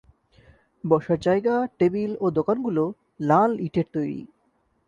বসার জায়গা, টেবিল ও দোকানগুলো লাল ইটের তৈরি।